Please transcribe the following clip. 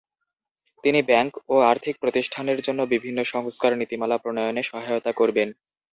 তিনি ব্যাংক ও আর্থিক প্রতিষ্ঠানের জন্য বিভিন্ন সংস্কার নীতিমালা প্রণয়নে সহায়তা করবেন।